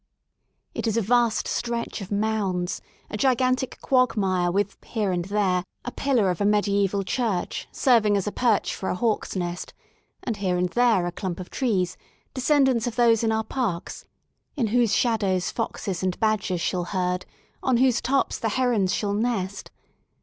ft is a vast stretch of mounds, a gigantic quagmire with here and there a pillar of a mediaeval church serving as a perch for a hawk*s nest, and here and there a clump of trees, descendants of those in our parks, in whose shadow foxes and badgers shall herd, on whose tops the herons shall nest.